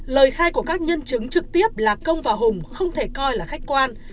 lời khai của các nhân chứng trực tiếp là công và hùng không thể coi là khách quan